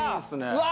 うわ。